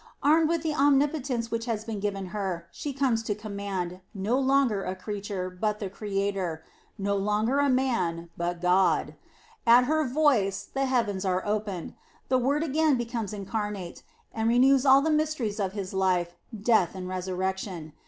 Armed with omnipotence which has been given her, she comes to command, no longer a creature, but the Creator ; no longer a man, but God. At her voice, the heavens are opened; the Word again becomes incarnate, and renews all the mysteries of His life, death, and resurrection.